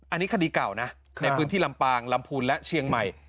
อันนี้คดีเก่านะในพื้นที่ลำปางลำพูนและเชียงใหม่